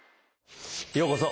ようこそ。